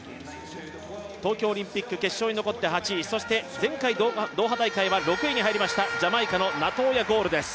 東京オリンピック決勝に残って８位前回ドーハ大会は６位に入りましたジャマイカのナトーヤ・ゴウルです